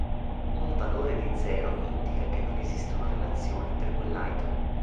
Un valore di zero indica che non esistono relazioni per quell'item.